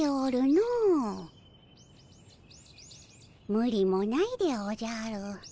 むりもないでおじゃる。